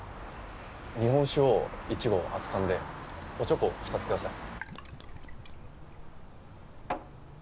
日本酒を一合熱燗でおちょこ２つください。